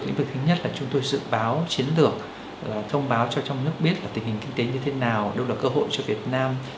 lĩnh vực thứ nhất là chúng tôi dự báo chiến lược thông báo cho trong nước biết là tình hình kinh tế như thế nào đâu là cơ hội cho việt nam